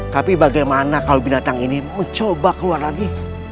tapi bagaimana kalau binatang ini mencoba keluar lagi